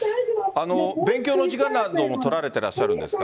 勉強の時間なども取られていらっしゃるんですか？